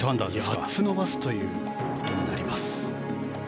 ８つ伸ばすということになります。